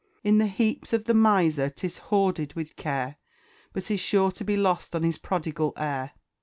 In the heaps of the miser 'tis hoarded with care, But is sure to be lost on his prodigal heir.